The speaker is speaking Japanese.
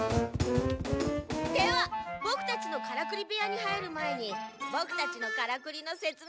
ではボクたちのカラクリ部屋に入る前にボクたちのカラクリのせつ明を。